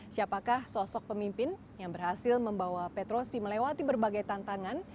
siapakah sosok pemimpin yang berhasil membawa petrosi melewati berbagai tantangan